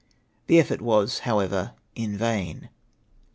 The effort was, however, in vain.